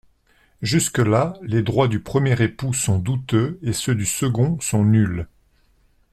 Jusque-là, les droits du premier époux sont douteux et ceux du second sont nuls.